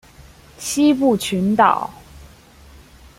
西部群岛。